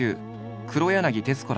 黒柳徹子ら